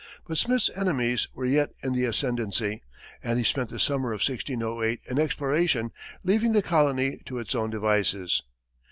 But Smith's enemies were yet in the ascendancy, and he spent the summer of 1608 in exploration, leaving the colony to its own devices.